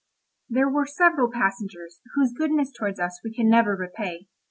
There were several passengers, whose goodness towards us we can never repay.